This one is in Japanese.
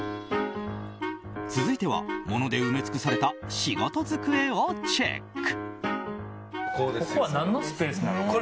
続いては物で埋め尽くされた仕事机をチェック。